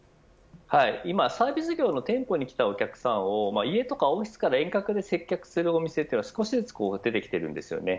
今、サービス業の店舗に来たお客さんを家とかオフィスから遠隔で接客するお店が少しずつ出てきています。